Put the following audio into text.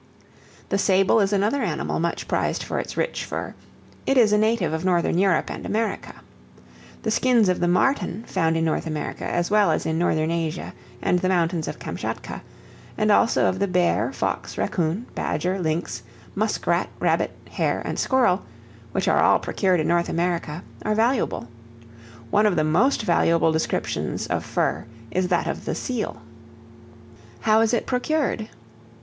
The sable is another animal much prized for its rich fur; it is a native of Northern Europe and America. The skins of the marten, found in North America, as well as in Northern Asia and the mountains of Kamtschatka; and also of the bear, fox, raccoon, badger, lynx, musk rat, rabbit, hare, and squirrel, which are all procured in North America, are valuable. One of the most valuable descriptions of fur is that of the seal. How is it procured?